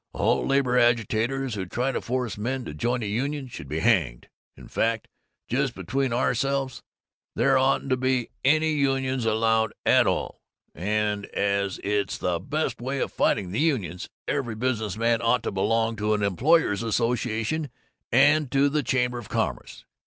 All labor agitators who try to force men to join a union should be hanged. In fact, just between ourselves, there oughtn't to be any unions allowed at all; and as it's the best way of fighting the unions, every business man ought to belong to an employers' association and to the Chamber of Commerce.